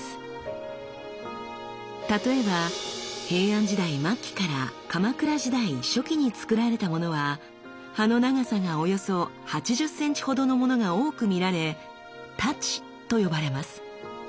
例えば平安時代末期から鎌倉時代初期につくられたものは刃の長さがおよそ８０センチほどのものが多く見られ「太刀」と呼ばれます。